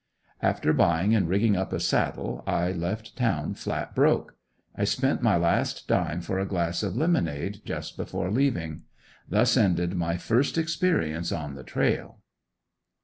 After buying and rigging up a saddle I left town flat broke. I spent my last dime for a glass of lemonade just before leaving. Thus ended my first experience on the "trail."